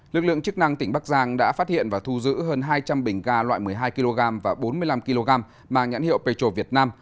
lực lượng chức năng tỉnh bắc giang đã phát hiện và thu giữ hơn hai trăm linh bình ga loại một mươi hai kg và bốn mươi năm kg mà nhãn hiệu petro việt nam